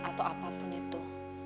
atau apapun itu